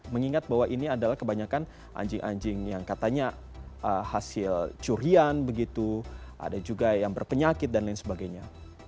mengingat bahwa ini adalah kebanyakan anjing anjing yang katanya hasil curian begitu ada juga yang berpenyakit dan lain sebagainya